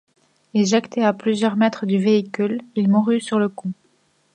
Éjecté à plusieurs mètres du véhicule il mourut sur le coup.